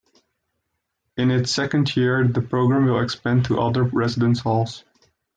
In its second year, the program will expand to other residence halls.